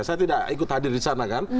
saya tidak ikut hadir di sana kan